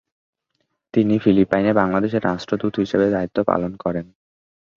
তিনি ফিলিপাইনে বাংলাদেশের রাষ্ট্রদূত হিসেবে দায়িত্ব পালন করেন।